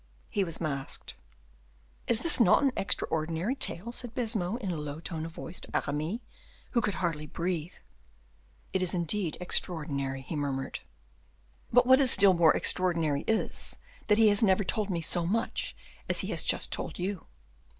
"He was masked." "Is this not an extraordinary tale?" said Baisemeaux, in a low tone of voice, to Aramis, who could hardly breathe. "It is indeed extraordinary," he murmured. "But what is still more extraordinary is, that he has never told me so much as he has just told you."